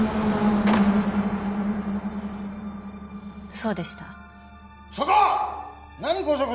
そうでしたそこ！